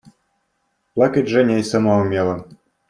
Плакать Женя и сама умела.